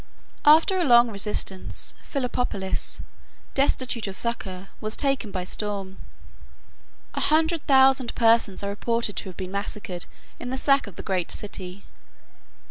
After a long resistance, Philoppopolis, destitute of succor, was taken by storm. A hundred thousand persons are reported to have been massacred in the sack of that great city.